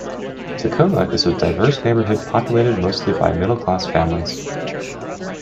Takoma is a diverse neighborhood, populated mostly by middle-class families.